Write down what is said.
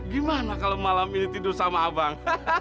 gimana kalau malam ini tidur sama abang